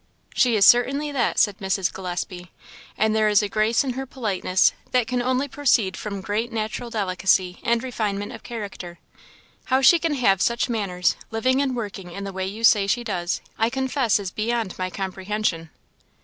"She is certainly that," said Mrs. Gillespie; "and there is a grace in her politeness that can only proceed from great natural delicacy and refinement of character. How she can have such manners, living and working in the way you say she does, I confess is beyond my comprehension."